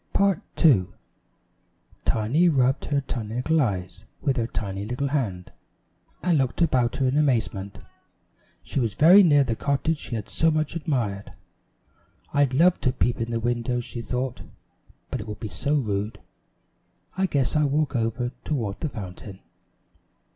Tiny is Put in the Lock up Tiny rubbed her tiny little eyes with her tiny little hand, and looked about her in amazement. She was very near the cottage she had so much admired. "I'd love to peep in the windows," she thought, "but it would be so rude. I guess I'll walk over toward the fountain."